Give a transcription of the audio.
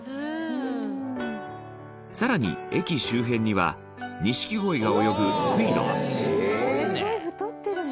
更に、駅周辺には錦鯉が泳ぐ水路が羽田：すごい太ってるね。